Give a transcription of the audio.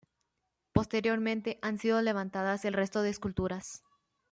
Posteriormente han sido levantadas el resto de esculturas.